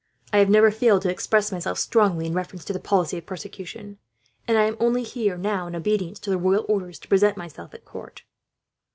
I have never failed to express myself strongly, in reference to the policy of persecution; and I am only here, now, in obedience to the royal orders to present myself at court."